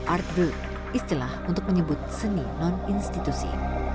art deux istilah untuk menyebut seni non institusi